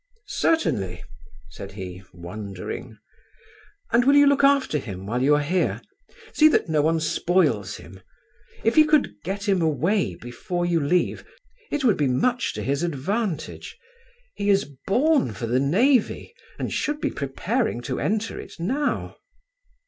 "Certainly," said he, wondering. "And will you look after him while you are here? See that no one spoils him. If you could get him away before you leave, it would be much to his advantage. He is born for the navy and should be preparing to enter it now."